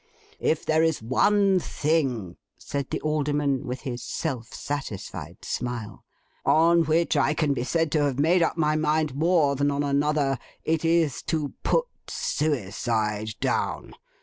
If there is one thing,' said the Alderman, with his self satisfied smile, 'on which I can be said to have made up my mind more than on another, it is to Put suicide Down.